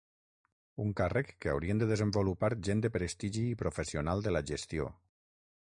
Un càrrec que haurien de desenvolupar gent de prestigi i professional de la gestió.